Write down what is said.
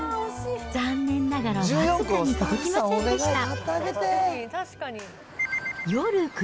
残念ながら僅かに届きませんでした。